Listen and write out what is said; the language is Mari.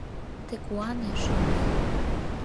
Тый куане, шӱмбел!